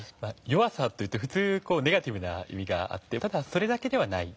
弱さというと普通ネガティブな意味があってただそれだけではない。